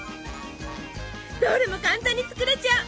どれも簡単に作れちゃう！